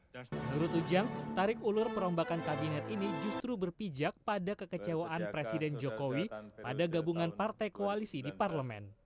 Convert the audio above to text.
menurut ujang tarik ulur perombakan kabinet ini justru berpijak pada kekecewaan presiden jokowi pada gabungan partai koalisi di parlemen